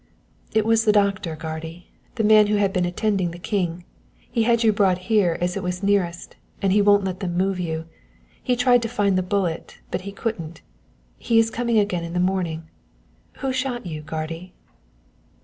"It was the doctor, guardy, the man who had been attending the king. He had you brought here as it was nearest, and he won't let them move you. He tried to find the bullet, but he couldn't. He is coming again in the morning. Who shot you, guardy?"